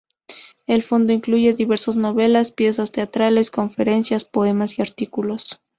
El fondo incluye diversas novelas, piezas teatrales, conferencias, poemas y artículos.